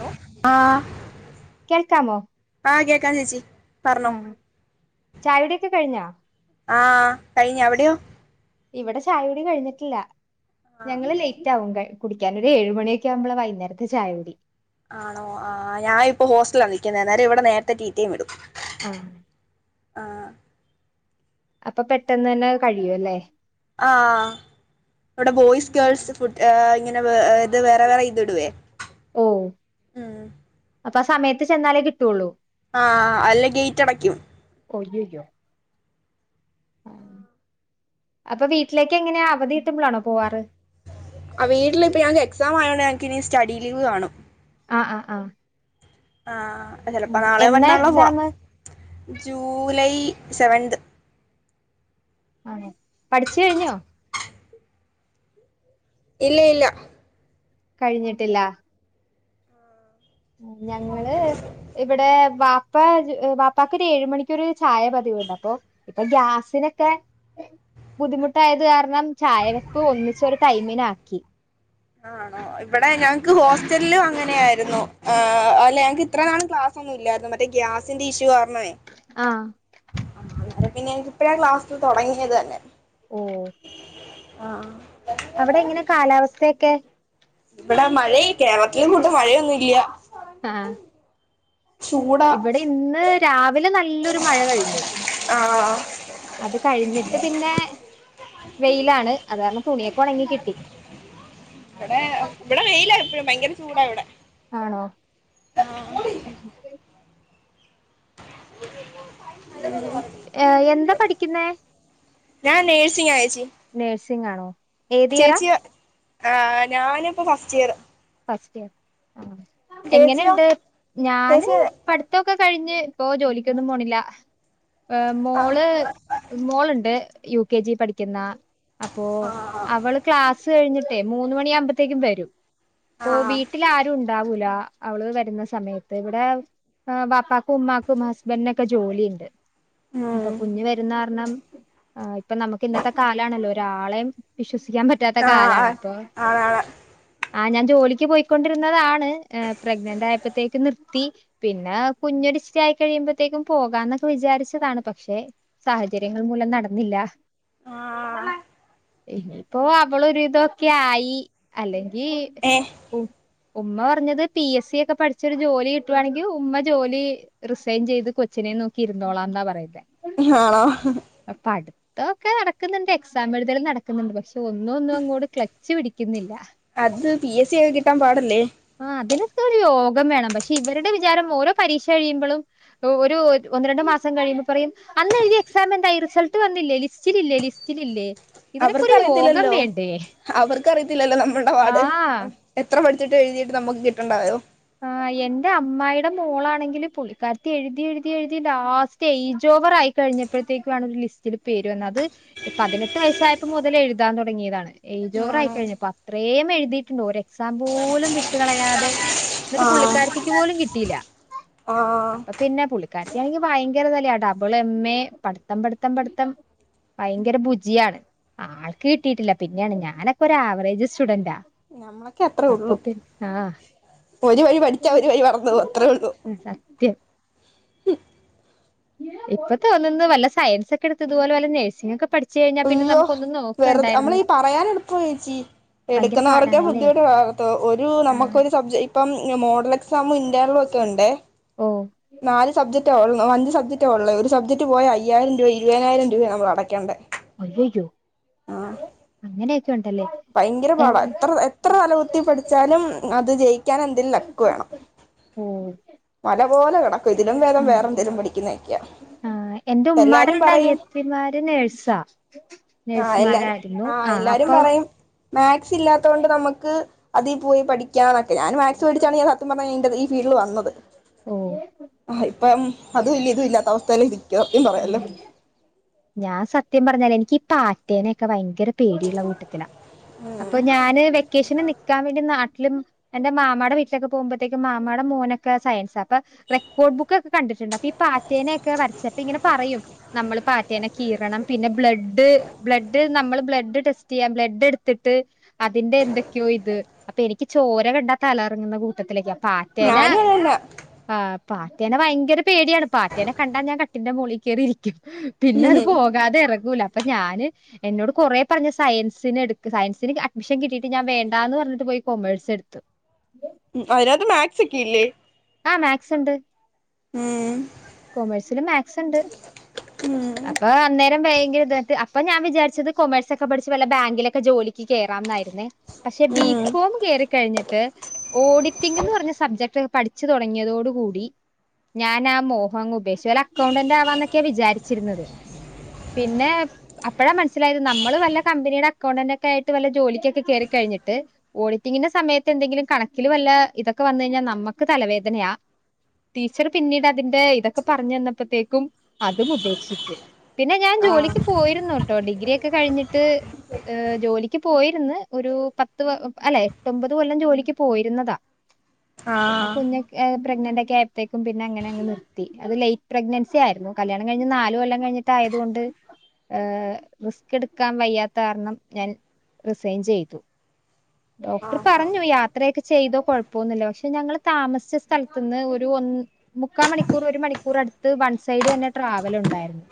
Hello കേൾക്കാമോ ആഹ് കേക്കാം ചേച്ചി പറഞ്ഞോ ആഹ് ചായ കുടിയൊക്കെ കഴിഞ്ഞാ ആഹ് കഴിഞ്ഞ് അവിടെയോ ഇവിടെ ചായുടി കഴിഞ്ഞിട്ടില്ല ആഹ് ഞങ്ങള് ലെയ് റ്റാവും കുടിക്കാൻ ഒരു ഏഴ് മണിയൊക്കെയാ കുമ്പള വൈന്നേരത്തെ ചായൂടി. ആണോ ആഹ് ഞാനിപ്പോ ഹോസ്റ്റലില നിക്കുന്ന എന്നാലും ഇവിടെ നേരത്തെ ടി ടി എം വിടും. ആഹ് ആഹ് അപ്പൊ പെട്ടെന്ന് തന്നെ അത് കഴിയൂവല്ലേ ആഹ് ഇവിടെ ബോയ്സ് ഗേൾസ് ഫുഡ് ഇങ്ങനെ ഇത് വേറെ വേറെ ഇത് ഇടുവേ. ഓ ഉം അപ്പൊ ആ സമയത്ത് ചെന്നാലേ കിട്ടുള്ളൂ ആഹ് അല്ലേ ഗേറ്റ് അടയ്ക്കും. ഒ യ്യൊ യ്യോ അപ്പൊ വീട്ടിലേക്ക് എങ്ങനെയ അവധികിട്ടുമ്പോളാണോ പോവാറ്. ആഹ് വീട്ടിലിപ്പൊ ഞങ്ങക്ക് എക്സാം ആയോണ്ട് ഞങ്ങക്കിനി സ്റ്റഡി ലീവ് കാണും. ആഹ് ആഹ് ആഹ് ആഹ് ചെലപ്പോ നാളെയൊ എന്നാ മറ്റന്നാളൊ പോവാം എക്സാമ് ജൂലൈ സെവന്ത് ആഹ് പഠിച്ച് കഴിഞ്ഞോ ഇല്ല ഇല്ല കഴിഞ്ഞിട്ടില്ല ഞങ്ങള് ഇവിടെ വാപ്പ വാപ്പക്കൊരു ഏഴുമണിക്കൊരു ചായ പതിവുണ്ട് അപ്പൊ ഇപ്പൊ ഗ്യാസിനൊക്കെ ബുദ്ധിമുട്ടായത് കാരണം ചായ വെപ്പ് ഒന്നിച്ചൊരു ടൈമിനാക്കി ആണോ ഇവിടെ ഞങ്ങക്ക് ഹോസ്റ്റലിലും അങ്ങനെയായിരുന്നു. ആഹ് അല്ല ഞങ്ങക്ക് ഇത്ര നാളും ക്ലാസ് ഒന്നുമില്ലായിരുന്നു മറ്റേ ഗ്യാസിന്റെ ഇഷ്യൂ കാരണേ ആഹ് ആഅന്നേരം പിന്നെ എനിക്കിപ്പഴാ ക്ലസ് തുടങ്ങിയത് തന്നെ ഓ ആഹ് ആഹ് അവിടെ എങ്ങനെ കാലാവസ്ഥയൊക്കെ ഇവിടെ മഴയി കേരളത്തില് മൊത്തം മഴയൊന്നുമില്യ ആഹ് ഇവിടെ ഇന്ന് രാവിലെ നല്ലൊരു മഴ കഴിഞ്ഞു ആഹ് ആഹ് അത് കഴിഞ്ഞിട്ട് പിന്നെ വെയിലാണ് അത് കാരണം തുണിയൊക്കെ ഉണങ്ങി കിട്ടി ഇവിടെ ഇവിടെ വെയില എപ്പഴും ഭയങ്കര ചൂടാ ഇവിടെ ആണോ ഉം ഏ എന്താ പഠിക്കുന്നേ. ഞാൻ നേർസിങ്ങ ആയിച്ചി നേഴ്സിംഗ് ആണോ ഏതിയറാ ആഹ് ഞാനിപ്പോ ഫസ്റ്റ് ഇയർ ഫസ്റ്റ് ഇയർ ആഹ് ചേച്ചിയോ എങ്ങനെണ്ട് ഞാന് ചേച്ചി ആഹ് പഠിത്തമൊക്കെ കഴിഞ്ഞ് ഇപ്പൊ ജോലിക്കൊന്നും പോണില്ല ആഹ് മോള് മോളുണ്ട് യു കെ ജി പഠിക്കുന്ന അപ്പോ ആഹ് അവള് ക്ലാസ് കഴിഞ്ഞിട്ടേ മൂന്ന് മണിയാകുമ്പോത്തേക്കും വരും അപ്പൊ ആഹ് വീട്ടിൽ ആരും ഉണ്ടാവൂല അവള് വരുന്ന സമയത്ത് ഇവിടെ ബാപ്പാക്കും ഉമ്മാക്കും ഹസ്ബന്റി നൊക്കെ ജോലിണ്ട് അപ്പൊ ഉം കുഞ്ഞ് വരുന്ന കാരണം ആഹ് ഇപ്പ നമുക്ക് ഇന്നത്തെ കാലാണല്ലോ ഒരാളം വിശ്വസിക്കാൻ പറ്റ് ആഹ് ആണാണ് ആഹ് ഞാൻ ജോലിക്ക് പോയിക്കൊണ്ടിരുന്നതാണ് പ്രഗ്നന്റ് ആയപ്പോഴത്തേക്ക് നിർത്തി പിന്നെ കുഞ്ഞൊഡിസ്റ്റായി കഴിയുമ്പോത്തേക്കും പോകാന്നൊക്കെ വിചാരിച്ചതാണ് പക്ഷെ സാഹചര്യങ്ങൾ മൂലം നടന്നില്ല ഇനിയിപ്പോ അവളൊരിതൊക്കെ ആയി അല്ലെങ്കിൽ ഏഹ് ഉമ്മ പറഞ്ഞത് പി എസ് സി ഒക്കെ പഠിച്ചരു ജോലി കിട്ടുവാണെങ്കിൽ ഉമ്മ ജോലി റിസൈൻ ചെയ്ത് കൊച്ചിനെ നോക്കിയിരുന്നോളാന്നാ പറയുന്നെ ആണോ അപട് തൊക്കെ നടക്കുന്നുണ്ട് എക്സാം എഴുതലും നടക്കുന്നുണ്ട് പക്ഷെ ഒന്നും ഒന്നും അങ്ങോട് ക്ലച്ച് പിടിക്കുന്നില്ല അത് പി എസ് സി എഴുതിക്കാൻ പാടല്ലേ ആഹ് അതിനൊക്കെ ഒരു യോഗം വേണം പക്ഷെ ഇവരുടെ വിചാരം ഓരോ പരീക്ഷ കഴിയുമ്പളും ഒരു ഒന്ന് രണ്ടു മാസം കഴിയുമ്പോ പറയും അന്നഴ്തിയ എക്സാം എന്തായി റിസൾട്ട് വന്നില്ലേ ലിസ്റ്റിലില്ലേ ലിസ്റ്റിലില്ലേ ഇതിനക്കൊരു യോഗം അവർക്കറിയത്തില്ലല്ലോ വേണ്ടേ അവർക്കറിയത്തില്ലല്ലോ നമ്മളുടെ പാട് ആഹ് എത്ര പഠിച്ചിട്ട് എഴുതിയിട്ട് നമുക്ക് കിട്ടണ്ടായോ ആഹ് എന്റെ അമ്മായിടെ മോളാണെങ്കിൽ പുളിക്കാരത്തി എഴുതി എഴുതി എഴുതി ലാസ്റ്റ് തേ എയ്ജ്ജോവർ ആയി കഴിഞ്ഞപ്പോഴത്തേക്കു ആണ് ഒരു ലിസ്റ്റില് പേരുവന്നത് പതിനെട്ട് വയസ്സായപ്പ മുതൽ എഴുതാൻ തുടങ്ങിയതാണ് ഏജോറ ആണോ ആയിക്കഴിഞ്ഞു അപ്പൊ അത്രേയും എഴുതിയിട്ടുണ്ടോ ഒരു എക്സാം പോലും വിട്ടുകളയാതെ എന്നിട്ട് ആഹ് പുള്ളിക്കാരത്തിക്ക് പോലും കിട്ടിയില്ല ആഹ് അപ്പ പിന്നെ പുള്ളിക്കാരക്കാണെങ്കിൽ ഭയങ്കര തലയാട്ടോ ഡബിൾ എം എ പഠിത്തം പഠിത്തം പഠിത്തം ഭയങ്കര ഭുചിയാണ് ആൾക്ക് കിട്ടിയിട്ടില്ല പിന്നെയാണ് ഞാനൊക്കെ ഒരആവറേജ് സ്റ്റുഡന്റാ നമ്മളൊക്കെ അത്രേ അപ്പൊ ഉള്ളൂ പിന്ന ആഹ് ഒരു വഴി പഠിച്ചാൽ ഒരു വഴി മറന്ന അത്രേ ഉള്ളൂ ഉം സത്യം മ് ഇപ്പതോന്നുന്നു വല്ല സയൻസ് ഒക്കെ എടുത്ത്തുപോലെ വല്ല നഴ്സിങ്ങ് ഒക്കെ പഠിച്ച് കഴിഞ്ഞാ പിന്നെ അയ്യോ നമുകൊന്ന് വെറുതെ നമ്മളീ പറയാനാളുപ്പ യെച്ചി ഭയങ്കര എടുക്കുന്നവർക്കെ പാടാണല്ലേ ബുദ്ധിമുട്ട് ഒരു ആഹ് നമുക്കൊരു സബ്ജ ഇപ്പം മോഡൽ എക്സാമു ഇന്റേണലും ഒക്കെ ഉണ്ടേ. ഓ നാല് സബ്ജക്ട് അഞ്ച് സബ്ജക് ഉള്ളേ ഒരു സബ്ജക്ട് പോയി അയായിരം രൂപ, ഇരുപതിനായിരം രൂപ നമ്മൾ അടക്കണ്ടേ അയ്യയോ അങ്ങനെയൊക്കെ ഉണ്ടല്ലേ. ഭയങ്കര പാട, എൻ- എത്ര എത്ര തലകുത്തി പഠിച്ചാലും അത് ജയിക്കാൻ എന്തേലും ലക്ക് വേണം. ഉം മല പോലെ കിടക്കും. ഇതിലും വേദം വേറെ എന്തെലും പടിക്കുന്നക്കിയാ. എന്റെ ഉമ്മാടെ രണ്ട് അനിയത്തിന്മാര് നേഴ്സാ നേഴ്സുമാരാ ആ എല്ലാരും പറയും മാത്സ് ഇല്ലാത്തത് കൊണ്ട് നമക്ക് അതീ പോയി പഠിക്കാ എന്നൊക്കെ ഞൻ മാത്സ് മടിച്ചാണ് ഞാൻ സത്യം പറഞ്ഞാൽ ഈ ഫീൽഡിൽ വന്നത്. ഓ ആ ഇപ്പം അതു ഇല്ല ഇതും ഇല്ലാത്ത അവസ്ഥയിൽ ഇരി ഞാൻ സത്യം പറഞ്ഞല് എനിക്ക് പാറ്റേനയൊക്കെ ഭയങ്കര ഭയങ്കര പേടിയുള്ള കൂട്ടത്തിലാ. അപ്പൊ ഞാന് വെക്കേഷന് നിക്കാൻ വേണ്ടി നാട്ടിലും എന്റെ മാമാടെ വീട്ടിലക്കെ പോകുമ്പോത്തേക്ക് മാമായുടെ മോനൊക്കെ സയൻസ് അപ്പൊ റെക്കോർഡ് ബുക്ക് ഒക്കെ കണ്ടിട്ടുണ്ട്. അപ്പൊ ഈ പാറ്റേനയൊക്കെ വരച്ചപ്പ ഇങ്ങനെ പറയും. നമ്മള് പാറ്റേനെ കീറണം. പിന്നെ ബ്ലഡ് ബ്ലഡ് നമ്മള് ബ്ലഡ് ടെസ്റ്റ് ചെയ്യാം, ബ്ലഡ് എടുത്തിട്ട് അതിന്റെ എന്തൊക്കെയോ ഇത് അപ്പൊ എനിക്ക് ചോര കണ്ടാ തലകറങ്ങുന്ന കൂട്ടത്തിലൊക്കെയാ പാ പറ്റേന ഞാനും അതന്നെ ആ പാറ്റേന ഭയങ്കര പേടിയാണ് പാറ്റേനെ കണ്ടാൻ ഞാൻ ക ട്ടിന്റെ മുകളിൽകയറി ഇരിക്കും പിന്നെ അത് ഉം പോകാതെ ഇറങ്ങൂല, അപ്പൊ ഞാന് എന്നോട് കുറെ പറഞ്ഞ് സയൻസിന് എടു സയൻസിന് അഡ്മിഷൻ കിട്ടിട്ട് ഞാൻ വേണ്ട എന്ന് പറഞ്ഞിട്ട് പോയി കൊമേഴ്സ് എടുത്തു. ഉ അതിനകത്ത് മാത്സ് ഒക്കെ ഇല്ലേ?. ആ മാക്സ് ഉണ്ട്. ഉം കൊമേഴ്സിൻ മാത്സ് ഉണ്ട്. ഉം അപ്പൊ അന്നേരം ഭയങ്കര ഇട്ട് അപ്പൊ ഞാൻ വിചാരിച്ചത് കൊമേഴ്സക്കെ പഠിച്ച് വല്ല ബാങ്കിലൊക്കെ ജോലിക്ക് കയറാംന്നായിരുന്നേ. പക്ഷെ ഉം ബികോം കേയറിക്കഴിഞ്ഞിട്ട് ഓഡിറ്റിംഗന്ന് പറഞ്ഞ സബ്ജക്ട് പഠിച്ച ച്ചു തുടങ്ങിയതോടുകൂടി ഞാനാമോ അങ് ഉപേക്ഷുല അക്കൗണ്ടന്റ് ആവാന്നൊക്കെയാ വിചാരിച്ചിരുന്നത്. പിന്നെ അപ്പോഴാ മനസ്സിലായത് നമ്മള് വല്ല കമ്പനിയുടെ അക്കൗണ്ടന്റ ഒക്ക ആയിട്ട് വല്ല ജോലിക്കൊക്കെ കേയറിക്കഴിഞ്ഞിട്ട് ഓഡിറ്റിങ്ങിന്റെ സമയത്ത് എന്തെങ്കിലും കണക്കില് വല്ല ഇതക്കെ വന്ന് കഴിഞ്ഞാൽ നമമ്മുക്ക് തലവേദനയാ. ടീച്ചർ പിന്നീട് അതിന്റെ ഇതൊക്കെ പറഞ്ഞു തന്നപ്പോത്തേക്കും അതും ഉപേക്ഷിച്ച്, പിന്നെ ഞാൻ ജോലിക്ക് ആഹ് പോയിരുന്നു കേട്ടോ ഡിഗ്രി ഒക്കെ കഴിഞ്ഞിട്ട് ജോലിക്ക് പോയിരുന്നു ഒരു പത്ത് അല്ലെ എട്ടൊമ്പത് കൊല്ലം ജോലിക്ക് പോയിരുന്നതാ പിന്നെ ആഹ് കുഞ്ഞ പ്രെഗ്നന്റ് ഒക്കെ ആയപ്പോത്തേക്കും പിന്നെ അങ്ങനെ നി അത് ലൈറ്റ് പ്രഗ്നൻസി ആയിരുന്നു. കല്യാണം കഴിഞ്ഞ് ന കൊല്ലം കഴിഞ്ഞിട്ടയതുക കൊണ്ട് റിസ്ക് എടുക്കാൻ വയ്യാത്ത കാരണം ഞാൻ വിസൈൻ ചെയ്തു. ഡോക്ടർ പറഞ്ഞു യാത്ര യാത്രയൊക്കെ ചെയ്തോ കുഴപ്പമൊന്നില്ല. പക്ഷെ ഞങ്ങൾ താമസിച്ച സ്ഥലത്ത് നിന്ന് ഒരു മുക്കാ മണി മൂ ഒരു മണിക്കൂർ അടുത്ത് വൺ സൈഡ് തന്നെ ട്രാവൽ ഉണ്ടായിരുന്നു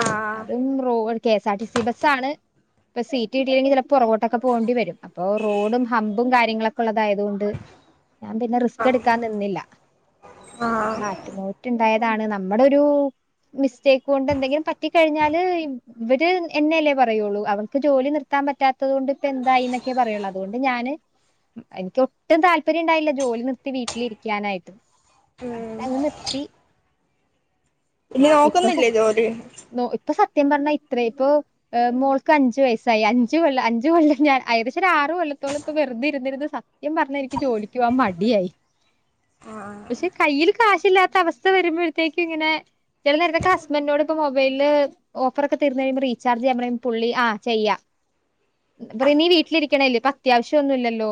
ആഹ് അതും ആഹ് K S R T C ബസ്സാണ് ഇപ്പ സീറ്റ് കിട്ടില്ലെങ്കിൽ ചിലപ്പോൾ പുറകോട്ടൊക്കെ പോകേണ്ടി വരും. അപ്പൊ റോഡും ഹമ്പും കാര്യങ്ങളൊക്കെ ഉള്ളതായത് കൊണ്ട് ഞാൻ പിന്നെ റിസ്ക് എടുക്കാൻ നിന്നില്ല. ആഹ് ഉണ്ടായതാണ് നമ്മുടെ ഒരു മിസ്റ്റേക്ക് കൊണ്ട് എന്തെങ്കിലും പറ്റി ക കഴിഞ്ഞാല് ഇവര് എന്നെല്ലേ പറയുള്ളൂ, അവർക്ക് ജോലി നിർ എത്താൻ പാത്തതുകൊണ്ട് ഇപ്പ എന്തായി എന്നൊക്ക പറയുള്ള അുകൊണ്ട് ഞാന് എനക്ക് ഒട്ടും താല്പര്യം ഉണ്ടായില്ല. ജോലി നിർത്തി വീട്ടിലി രിക്കാനായിട്ടും ഉം അല്ലങ് നിർ ഇനി ഇപ്പൊ നോക്കുന്നില്ലേ ജോലി ഇപ്പൊ സത്യം പറഞ്ഞാ ഇത്ര ഇപ്പൊ ഏഹ് മോൾക്ക് അഞ്ച് വയസ്സായി അഞ്ചു കൊല്ലം അഞ്ചു കൊല്ലം ഞാൻ ഏകദേശം ഒരാറ് കൊല്ലത്തോളം ഇപ്പ വെറുതെ ഇരുന്നിരുന്ന് സ ക്കും പറഞ്ഞാ എനിക്ക് ജോലിക്ക് പോവാൻ മടിയായി പക്ഷെ കയ്യിൽ കാശില്ലാ ത്ത അവസ്ഥ വരുമ്പോഴത്തേക്ക് ഇങ്ങനെ ചെല നേരത്തൊക്കെ ഹസ്ബന്റിനോട് ഇപ്പം മൊബൈലില് ഓഫറൊക്കെ തീരുന്ന് കഴിയുമ്പ റീചാർജ് ചെയ്യാൻ പറയുമ്പോ പുള്ളി ആ ചെയ്യാം അപ്പ പറയും നീ വീട്ടിലിരിക്കണല്ലേ ഇപ്പ അത്യാവശ്യം ഒന്നു ഇല്ലല്ലോ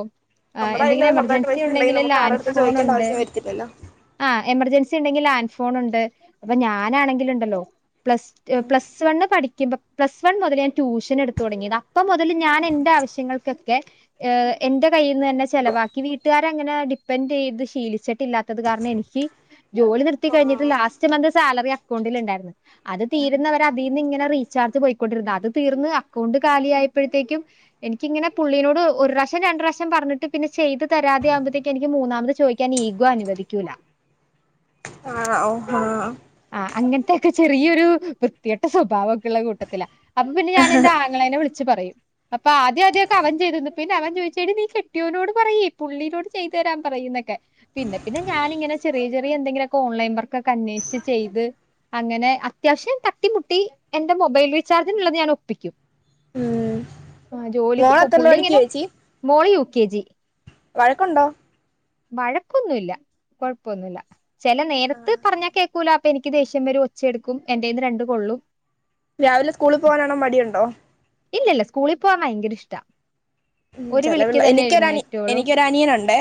ആ നമ്മുടെ കയ്യില് എന്തെങ്കിലും സ്വന്തമായിട്ട് എമർജൻസി പൈസ ഉണ്ടെങ്കിൽ ഉണ്ടെങ്കില് നമുക്ക് ലാൻഡ് ആരെടുത്തും ഫോൺ ചോദിക്കേണ്ട ഉണ്ട് ആവശ്യം വരത്തില്ലല്ലോ ആ എമർജൻസി ഉണ്ടെങ്കി ആൻഫോൺ ഉണ്ട് അപ്പൊ ഞാനാണെങ്കില ഉണ്ടല്ലോ പ്ലസ് റ്റ് പ്ലസ് വണ്ണ് പഠിക്കുമ്പം പ്ലസ് വൺ മുതല് ഞാൻ ട്യൂഷൻ എടുത്തൊടങ്ങിയതാ അപ്പം മുതല് ഞാൻ എന്റെ ആവശ്യങ്ങൾ ക്കൊക്കെ ഏഹ് എന്റെ കയ്യിൽന്നന്നെ ചെലവാക്കി വീട്ടുകാരെ അങ്ങനെ ഡിപ്പെൻഡ് ചെയ്ത് ശീലിച്ചിട്ടില്ലാത്തത് കാരണം എനിക്ക് ജോലി നിർത്തി കഴിഞ്ഞിട്ട് ലാസ്റ്റ് മന്ത് സാലറി അക്കൗണ്ടിൽ ഉണ്ടായിരുന്ന് അത് തീരുന്നവരെ അതീന്ന് ഇങ്ങനെ റീചാർജ് പോയിക്കോണ്ടിരുന്നു അത് തീർന്ന് അക്കൗണ്ട് കാലിയായപ്പഴത്തേക്കും എനിക്കിങ്ങനെ പുള്ളീനോട് ഒരു പ്രാവശ്യം രണ്ട് പ്രാവശ്യം പറഞ്ഞിട്ട് പിന്നെ ചെയ്ത് തരാതെ ആകുമ്പത്തേക്ക് എനിക്ക് മൂന്നാമത് ചോയി ക്കാൻ ഈഗോ അനുവദിക്കൂലാ ആഹ് ഓ ആഹ് ആഹ് അങ്ങനത്തെ ഒക്കെ ചെറിയൊരു വൃത്തികെട്ട സ്വഭാവ ഒക്കെയുള്ള കൂട്ടത്തിലാ അപ്പ പിന്നെ ഞാൻ എന്റെ ആങ്ങളേനെ വിളിച്ച് പറയും അപ്പൊ ആദ്യം ആദ്യയൊക്കെ അവൻ ചെയ്ത് തന്നു പിന്നെ അവൻ ചോദിച്ച് എടീ നീ കെട്ട്യോനോട് പറയ് പുള്ളീനോട് ചെയ്തു തരാൻ പറയ്ന്നൊക്കെ പിന്നെ പിന്നെ ഞാനിങ്ങനെ ചെറിയ ചെറിയ എന്തെങ്കിലൊക്കെ ഓൺലൈൻ വർക്കൊക്കെ അന്വേഷിച്ച് ചെയ്ത് അങ്ങനെ അത്യാവശ്യം തട്ടിമുട്ടി എന്റെ മൊബൈൽ റീചാർജിനുള്ളത് ഞാൻ ഒപ്പിക്കും ഉം ആഹ് ജോലിക്ക് മോള് പോ എത്രയില് പുള്ളി പഠിക്കുവാ ഇങ്ങനെ മോള് യു കെ ജി വഴക്കൊണ്ടോ വഴക്കൊന്നുയില്ല കൊഴപ്പൊന്നുയില്ല ചെല നേരത്ത് പറഞ്ഞാ കേ ക്കൂലാ അപ്പ എനിക്ക് ദേഷ്യം വറും ഒച്ചയെടുക്കും എന്റെ കൈയിന്ന് രണ്ട് കൊള്ളും രാവിലെ സ്കൂളിൽ പോവാനാണം മടിയുണ്ടോ ഇല്ല ഇല്ല സ്കൂളി പോവാൻ ഭയങ്കര ഇഷ്ടാ ഉം ഒരു ചെല വിളിക്ക് പിള്ളേ തന്നെ എനിക്കൊരനി എഴുന്നേറ്റോളും എനിക്കൊരനിയനുണ്ടേ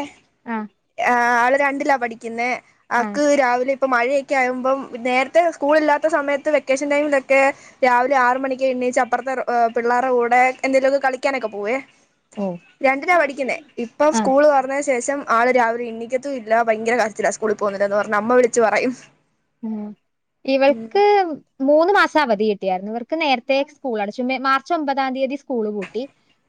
ആഹ് ആഹ് ആള് രണ്ടിലാ പഠിക്കുന്നെ ആഹ് ആക്ക് രാവിലെ ഇപ്പം മഴയൊക്കെ ആവുമ്പം നേരത്തെ സ്കൂളില്ലാത്ത സമയത്ത് വെക്കേഷൻ ടൈമിലൊക്കെ രാവിലെ ആറ് മണിക്കേ എണ്ണീച്ച് അപ്പുറത്തെ ഏഹ് പിള്ളാറ കൂടെ കൂടെ എന്തെങ്കിലൊക്കെ കളിക്കാനൊക്കെ പോവേ ഓഹ് രണ്ടിനാ പഠിക്കുന്നേ ഇപ്പം ആഹ് സ്കൂള് തൊറന്നേന് ശേഷം ആള് രാവിലെ ഇണീക്കത്തും ഇല്ല ഭയങ്കര കാരച്ചിലാ സ്കൂളിൽ പോകുന്നില്ലാന്ന് പറഞ്ഞ് അമ്മ വിളിച്ച് പറയും ഉം ഇവൾക്ക് മൂന്ന് മാസം അവധി കിട്ടിയായിരുന്നു ഇവർക്ക് നേരത്തെ സ്കൂൾ അടച്ചു മെ മാർച്ച് ഒമ്പതാം തീയതി സ്കൂള് പൂട്ടി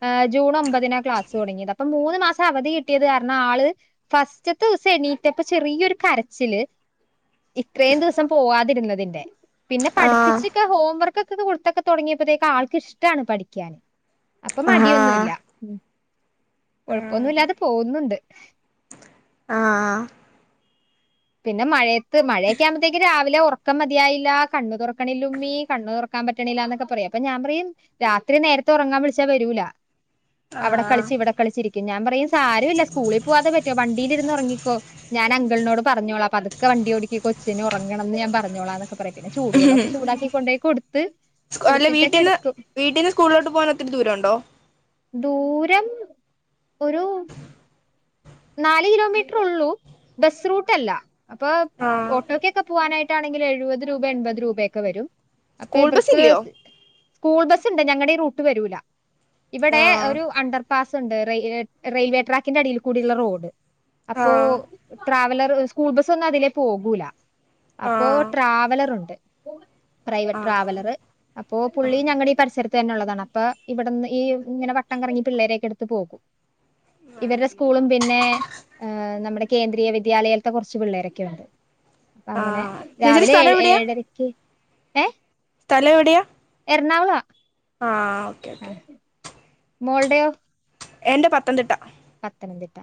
ആഹ് ജൂൺ ഒമ്പതിനാ ക്ലാസ് തൊടങ്ങിയത് അപ്പൊ മൂന്ന് മാസം അവധി കിട്ടിയത് കാരണം ആള് ഫസ്റ്റത്തെ ദിവസം എണീറ്റപ്പം ചെറിയൊരു കരച്ചില് ഇത്രയും ദിവസം പോവാതിരുന്നതിന്റെ പിന്നെ ആഹ് പഠിപ്പിച്ചിക്കെ ഹോംവർക്കൊക്കെ കൊടുത്തക്കെ തൊടങ്ങിയപ്പത്തേക്ക് ആൾക്ക് ഇഷ്ടാണ് പഠിക്കാനൻ അപ്പൊ മടിയൊന്നു ആഹ് ഇല്ല കൊഴപ്പൊന്നു ഉം ഇല്ലാതെ പോകുന്നുണ്ട് ആഹ് ആഹ് പിന്നെ മഴയത്ത് മഴയൊക്കെ ആവുമ്പത്തേക്ക് രാവിലെ ഒറ ക്കം മതിയായില്ലാ കണ്ണ് തൊറക്കണില്ല ഉമ്മീ കണ്ണ് തൊറക്കാൻ പറ്റണില്ല എന്നൊക്കെ പറയും അപ്പൊ ഞാൻ പറയും രാത്രി നേരത്തെ ഉറങ്ങാൻ വിളിച്ചാ വരൂല അവിടെ ആഹ് കളിച്ച് ഇവിടെ കളിച്ചിരിക്കും ഞാൻ പറയും സാരവില്ല സ്കൂളിൽ പോവാതെ പറ്റോ വണ്ടീലിരുന്ന് ഒറങ്ങിക്കോ ഞാൻ അങ്കങ്ങളിനോട് പറഞ്ഞോളാം പതുക്കെ വണ്ടി ഓടിക്ക് കൊച്ചിന് ഒറങ്ങണംന്ന് ഞാൻ പറഞ്ഞോളാന്നൊക്കെ പറയും പിന്നെ ചൂടു വെള്ളൊക്കെ ചൂടാക്കി കൊണ്ടോയി കൊടുത്ത് സ്കു അല്ലെ കുളിപ്പിച്ചൊക്കെ വീട്ടീന്ന് എടുക്കും വീട്ടീന്ന് സ്കൂളിലോട്ട് പോവാൻ ഒത്തിരി ദൂരം ഒണ്ടോ ദൂരം ഒരു നാല് കിലോമീറ്ററുള്ളൂ ബസ് റൂട്ടല്ല അപ്പം ആഹ് ഓട്ടോയ്ക്ക് പോനായിട്ടാണെങ്കിലാ എഴുപത് രൂപ എൺപത് രൂപയൊക്കെ വെരും അപ്പൊ സ്കൂൾ ബസ് ഇവർക്ക് ഇല്ലയോ സ്കൂൾ ബസ് ഇണ്ട് ഞങ്ങടെ ഈ റൂട്ട് വെരൂല്ലാ ഇവടെ ആഹ് ഒരു അണ്ടർ പാസ് ഇണ്ട് റെ റെയിൽവേ ട്രാക്കിന്റെ അടിയിൽ കൂടോള്ള റോഡ് അപ്പോ ആഹ് ട്രാവലർ സ്കൂൾ ബസ്സ് ഒന്നും അതിലേ പോകൂല്ലാ അപ്പോ ആഹ് ട്രാവലറോണ്ട് പ്രൈവറ്റ് ആണോ ട്രാവലറ് അപ്പോ പുള്ളി ഞങ്ങടെ ഇ പരിസരത്ത് തന്നേ ഒള്ളതാണ് അപ്പേ ഇവട്ന്ന് ഈ ഇങ്ങനെ വട്ടം കറങ്ങി പിള്ളേര്യാക്കെ എടുത്ത് പോകും ഇവരേ പിന്നെ ഏഹ് നമ്മടെ കേന്ദ്രീയ വിദ്യാലയത്തെ കൊറച്ച് പിള്ളേരൊക്കെ ഉണ്ട് അങ്ങനെ ആഹ് ചേച്ചിയുടെ രാവിലെ സ്ഥലം ഏഴ് എവിടെയാ ഏഴരക്ക് ഏഹ് സ്ഥലം എവിടെയാ എറണാകുളാ ആഹ് ഓക്കേ ഓക്കേ മോള്ഡോയൊ എന്റെ പത്തംതിട്ടാ പത്തനംതിട്ടാ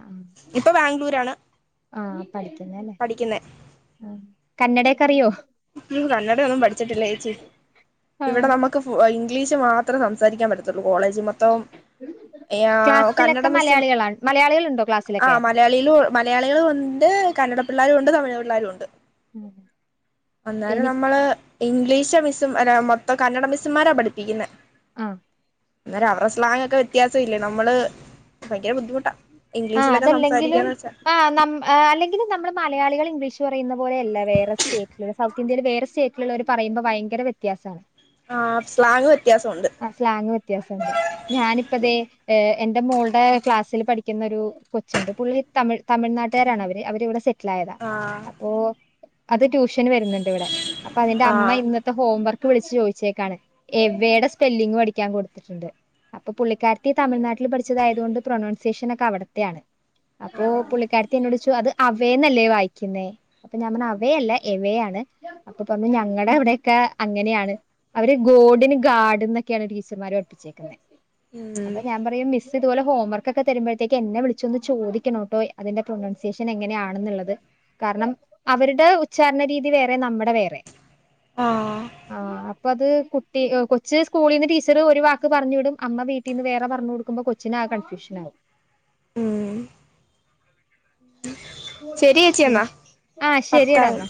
ആഹ് ആഹ് [unintelligible] അല്ലേ പഠിക്കുന്നേ ഹ് കന്നടാക്കേ അറിയോ ഉം കന്നഡാ ഒന്നും പഠിച്ചിട്ടില്ലാ ചേച്ചി ഇവടെ ആഹ് നമ്മാ ഞങ്ങക്ക് ഫു ഇംഗ്ലീഷ് മാത്രം സംസാരിക്കൻ പാറ്റത്തൊള്ളൂ കോളേജി മൊത്ത ത്തേം യെ ആഹ് കന്നാട ക്ലാസ്സിലൊക്കെ [unintelligible] മലയാളികളാണ് മലയാളികളുണ്ടോ ക്ലാസ്സിലൊക്കെ ആഹ് മ മലയാളികള് മലയാളികളോണ്ട് കന്നാടാ പിള്ളേരും ഒണ്ട് തമിഴ് പിള്ളേരും ഒണ്ട് ഉം അന്നേരം എനി നമ്മള് ഇംഗ്ലീഷ് മിസ്സും അല്ലാ മൊത്തം കന്നഡാ മിസ്സ്മാരാ പഠിപ്പിക്ക്ന്നേ ആഹ് അന്നേരം അവരടെ സ്ലാങ് ഒക്കെ വേത്യാസം ഇല്ലേ നമ്മള് ബയങ്കര ബുദ്ധിമുട്ടാ ആഹ് ഇംഗ്ലീഷിലൊക്കെ അതല്ലാങ്കിലും സംസാരിക്കാന്ന് വെച്ചാ ആഹ് അല്ലെങ്കിലും നമ്മള് മലയാളികള് ഇംഗ്ലീഷ് പറയ്ന്നാ പോലെയല്ല വേറെ സ്റ്റേറ്റല് ഒള്ളാ സൗത്ത് ഇന്ത്യലെ വേറെ സ്റ്റേറ്റിലോള്ളവര് പറയുമ്പോൾ ഭയങ്കര വ്യത്യാസ ആണ് ആഹ് സ്ലാങ്ങ് വ്യത്യാസം ഒണ്ട് ആഹ് സ്ലാങ്ങ് വെത്യാസം ഒണ്ട് ഞാനിപ്പം ദേ എന്റെ മോള്ടെ ക്ലാസ്സില് പഠി ക്ക്ന്നാ ഒരു കൊച്ച് ഇണ്ട് പുള്ളി തമ് തമിഴ്നാട്ടുകാരാണ് അവര് അവര് ഇവടെ സെറ്റിലായത് ആഹ് പ്പൊ അത് ട്യൂഷന് വെര്ന്നോണ്ട് ഇവടെ അപ്പൊ അതിന്റെ അമ്മ ആഹ് ഇന്ന് ഇന്നാത്തെ ഹോം വർക്ക് വിളിച്ച് ചോയ്ച്ചേക്കാണ് എവേടെ സ്പെല്ലിങ്ങ് പഠിക്ക്യാൻ കൊടുത്ത് ഇണ്ട് അപ്പൊ പുള്ളിക്കാരിത്തി തമിഴ് നാട്ടിൽ പഠിച്ചത് ആയത്കൊണ്ട് പ്രോനൗൺ ഇകുഷൻഒകെ അവടത്തെ ആണ് അപ്പോ ആഹ് പുള്ളിക്കാരത്തി എന്നോട് ചേ അത് അവേയന്നല്ലേ വായിക്ക്യന്നേ അപ്പൊ ഞാൻ പറഞ്ഞ് അവേയല്ല എവേയാണ് അപ്പൊ പറഞ്ഞ് ഞങ്ങടെ അവടെക്കെ അങ്ങനെയാണ് അവര് ഗോഡിന് ഗാഡ് എന്നൊക്ക്യയാണ് ടീച്ചമാര് പഠിപ്പിച്ചേക്ക് എന്നേ ഉം അപ്പൊ ഞാൻ പറയും മിസ് ഇത്പോലെ ഹോംവർ ക്ക് തെര്മ്പോഴത്തേക്ക് എന്നെ വിളിച്ചോന്ന് ചോദിക്കണോട്ടോ അയിന്റെ പ്രോനൗൺസ്‌ഷോൻ എങ്ങനെയാണന്ന് ഒള്ളത് കാരണം അവരുടെ ഉച്ചാരണ രീതി വേറെ നമ്മടെ വേറെ ആഹ് ആഹ് അപ്പൊ അത് കുട്ടി കൊച്ച് സ്കൂളിന്ന് ടീച്ചറ് ഒര് വാക്ക് പറഞ്ഞ് വിടും അമ്മ വീട്ടിന്ന് വേറെ പറഞ്ഞ് കൊടുക്കുമ്പോ കൊ ച്ച്ന് ആകെ കൺഫ്യഷാനാവും ശെരി ചേച്ചിെ എന്നാ ആ പത്താ ശരിയടാ എന്നാ